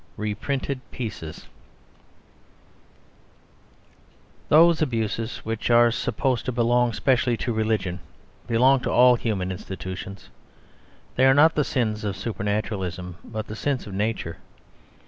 REPRINTED PIECES Those abuses which are supposed to belong specially to religion belong to all human institutions. They are not the sins of supernaturalism, but the sins of nature.